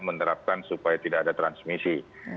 menerapkan supaya tidak ada transmisi